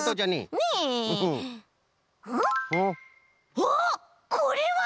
あっこれは！